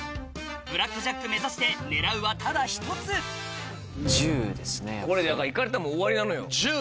ブラックジャック目指して狙うはただ１つこれだから行かれたらもう終わりなのよ。